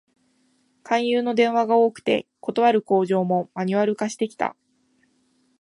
勧誘の電話が多くて、断る口上もマニュアル化してきた